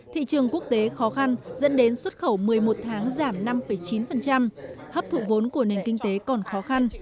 thị trường quốc tế khó khăn dẫn đến xuất khẩu một mươi một tháng giảm năm chín hấp thụ vốn của nền kinh tế còn khó khăn